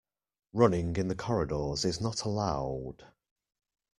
Running in the corridors is not allowed